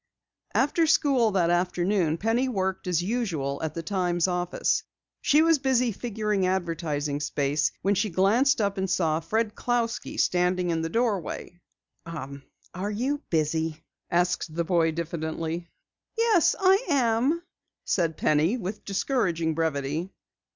After school that afternoon Penny worked as usual at the Times office. She was busy figuring advertising space when she glanced up and saw Fred Clousky standing in the doorway. "Are are you busy?" asked the boy diffidently. "Yes, I am," said Penny with discouraging brevity.